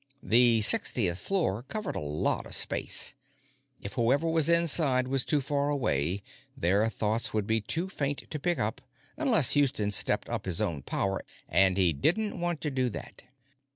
The sixtieth floor covered a lot of space; if whoever was inside was too far away, their thoughts would be too faint to pick up unless Houston stepped up his own power, and he didn't want to do that.